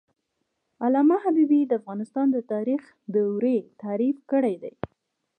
علامه حبيبي د افغانستان د تاریخ دورې تعریف کړې دي.